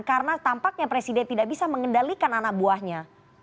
karena tampaknya presiden tidak bisa mengendalikan anak buahnya